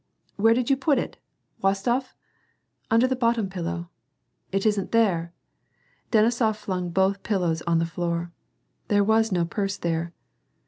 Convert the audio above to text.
" Where did you put it, W'ostof ?" "Under the bottom pillow." " It isn't here." Denisof flung both pillows on the floor. There was no purse there.